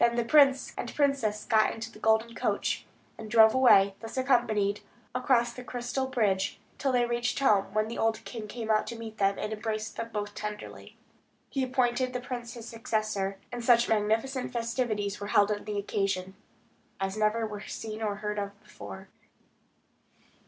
Then the prince and princess got into the golden coach, and drove away, thus accompanied, along the crystal bridge, till they reached home, when the old king came out to meet them, and embraced them both tenderly. He appointed the prince his successor; and such magnificent festivities were held on the occasion, as never were seen or heard of before.